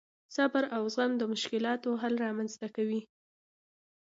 صبر او زغم د مشکلاتو حل رامنځته کوي.